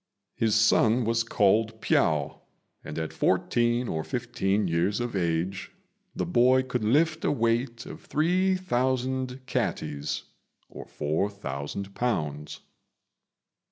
His son was called Piao, and at fourteen or fifteen years of age the boy could lift a weight of three thousand catties (4,000 lbs.).